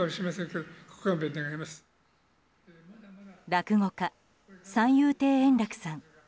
落語家・三遊亭円楽さん。